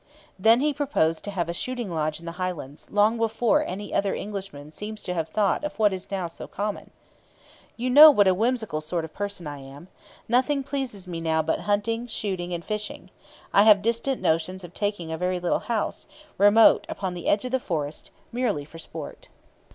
Then he proposed to have a shooting lodge in the Highlands, long before any other Englishman seems to have thought of what is now so common. 'You know what a whimsical sort of person I am. Nothing pleases me now but hunting, shooting, and fishing. I have distant notions of taking a very little house, remote upon the edge of the forest, merely for sport.'